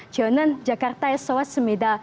jounen jakarta yesowas semida